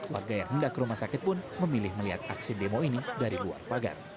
warga yang hendak ke rumah sakit pun memilih melihat aksi demo ini dari luar pagar